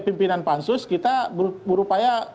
pimpinan pansus kita berupaya